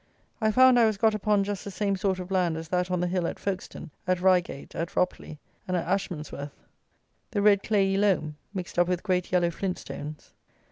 I found I was got upon just the same sort of land as that on the hill at Folkestone, at Reigate, at Ropley, and at Ashmansworth. The red clayey loam, mixed up with great yellow flint stones.